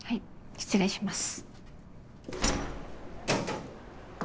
失礼します。